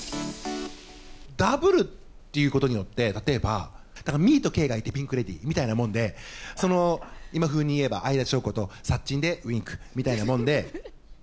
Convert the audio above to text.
ダブルっていうことによって、例えば、ミイとケイがいて、ピンク・レディーみたいなもんで、その今風に言えば、相田翔子とさっちんでＷｉｎｋみたいなもんで。